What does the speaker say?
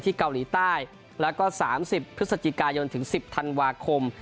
เกาหลีใต้แล้วก็๓๐พฤศจิกายนถึง๑๐ธันวาคม